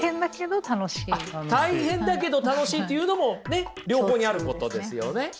大変だけど楽しいっていうのも両方にあることですよね。